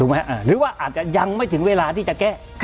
หรือว่าอาจจะยังไม่ถึงเวลาที่จะแก้